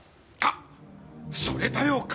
あっそれだよ